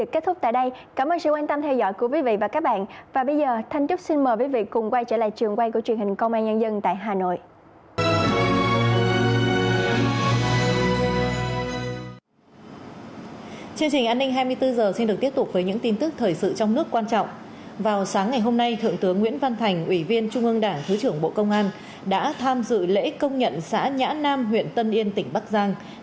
công nhận xã nhã nam huyện tân yên tỉnh bắc giang đạt chuẩn nông thôn mới